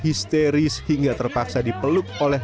histeris hingga terpaksa dipeluk oleh